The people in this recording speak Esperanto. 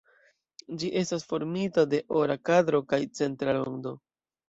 Ĝi estas formita de ora kadro kaj centra rondo.